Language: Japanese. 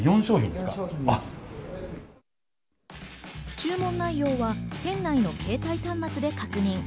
注文内容は店内の携帯端末で確認。